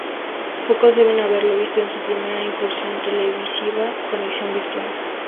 Pocos deben haberlo visto en su primera incursión televisiva, Conexión Virtual.